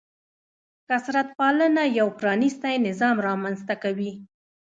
کثرت پالنه یو پرانیستی نظام رامنځته کوي.